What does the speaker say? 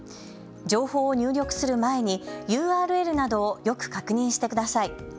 情報を入力する前にＵＲＬなどをよく確認してください。